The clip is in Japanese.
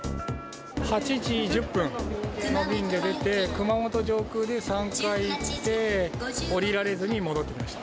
８時１０分の便で出て、熊本上空で３回いって、降りられずに戻ってきました。